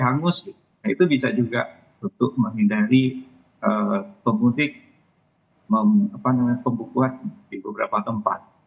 hangus itu bisa juga untuk menghindari pemudik pembukuan di beberapa tempat